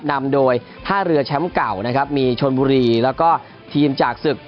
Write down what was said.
นำโดยท่าเรือแชมป์เก่านะครับมีชนบุรีแล้วก็ทีมจากศึก